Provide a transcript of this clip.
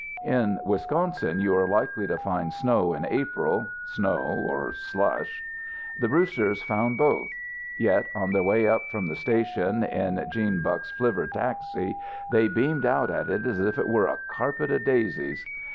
In Wisconsin you are likely to find snow in April snow or slush. The Brewsters found both. Yet on their way up from the station in 'Gene Buck's flivver taxi, they beamed out at it as if it were a carpet of daisies.